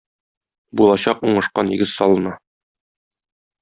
Булачак уңышка нигез салына